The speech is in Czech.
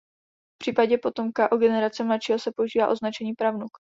V případě potomka o generaci mladšího se používá označení pravnuk.